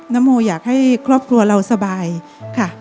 โมอยากให้ครอบครัวเราสบายค่ะ